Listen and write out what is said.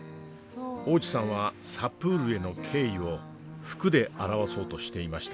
大地さんはサプールへの敬意を服で表そうとしていました。